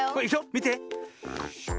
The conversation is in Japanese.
みて。